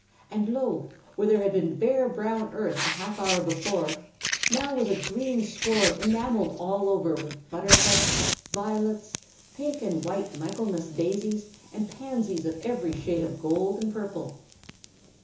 And lo! where had been bare, brown earth a half hour before, was now a green sward enamelled all over with buttercups, violets, pink and white Michaelmas daisies, and pansies of every shade of gold and purple.